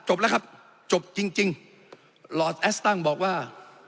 จบแล้วครับจบจริงจริงลอร์ดแอสตั้งบอกว่า